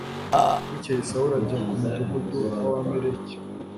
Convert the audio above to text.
bukeye sawuli ajya ku mudugudu w abamaleki